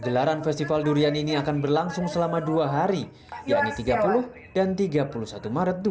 gelaran festival durian ini akan berlangsung selama dua hari yakni tiga puluh dan tiga puluh satu maret dua ribu dua puluh